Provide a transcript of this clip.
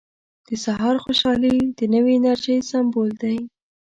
• د سهار خوشحالي د نوې انرژۍ سمبول دی.